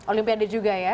olimpiade juga ya